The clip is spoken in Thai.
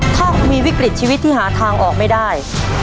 ถ้าคุณมีวิกฤตชีวิตที่หาทางออกไม่ได้